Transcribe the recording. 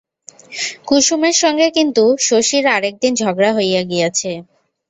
কুসুমের সঙ্গে কিন্তু শশীর আর একদিন ঝগড়া ইহয়া গিয়াছে।